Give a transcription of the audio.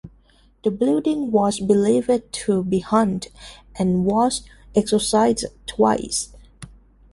The building was believed to be haunted and was exorcised twice.